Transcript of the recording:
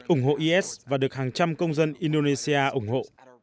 ủng hộ is và được hàng trăm công dân indonesia ủng hộ